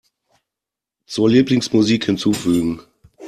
Zur Lieblingsmusik hinzufügen.